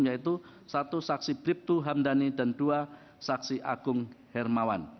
yaitu satu saksi bribtu hamdani dan dua saksi agung hermawan